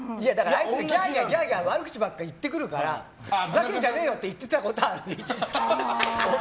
ギャーギャー悪口ばかり言ってくるからふざけんじゃねえよ！って言ってたことは、一時期。